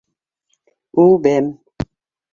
Үбәм.